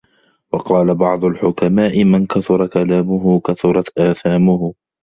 وَقَالَ بَعْضُ الْحُكَمَاءِ مَنْ كَثُرَ كَلَامُهُ كَثُرَتْ آثَامُهُ